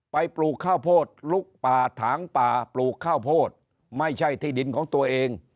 ปลูกข้าวโพดลุกป่าถางป่าปลูกข้าวโพดไม่ใช่ที่ดินของตัวเอง